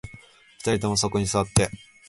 二人ともそこに座って